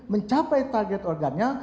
mencapai target organnya